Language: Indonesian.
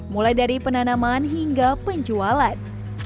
mulai dari penanaman hingga penjualan